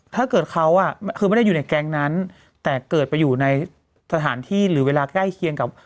ถ้าเกิดเขาอ่ะคือไม่ได้อยู่ในแก๊งนั้นแต่เกิดไปอยู่ในสถานที่หรือเวลาใกล้เคียงกับ